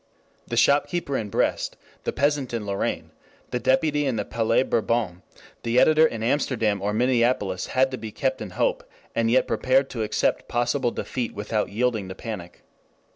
The shopkeeper in Brest, the peasant in Lorraine, the deputy in the Palais Bourbon, the editor in Amsterdam or Minneapolis had to be kept in hope, and yet prepared to accept possible defeat without yielding to panic.